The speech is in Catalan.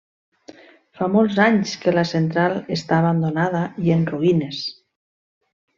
Fa molts anys que la central està abandonada i en ruïnes.